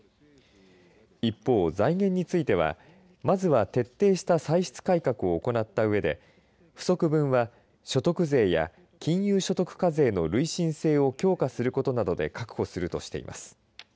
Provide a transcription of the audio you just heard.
一方、財源についてはまずは徹底した歳出改革を行ったうえで不足分は、所得税や金融所得課税の累進制を強化することなどで確保するとしています。